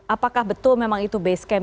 apakah betul memang itu base camp